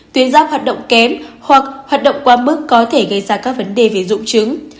tuyến giáp hoạt động kém hoặc hoạt động quá mức có thể gây ra các vấn đề về dụng trứng